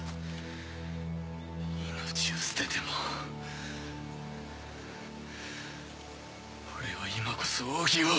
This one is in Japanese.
命を捨てても俺は今こそ奥義を。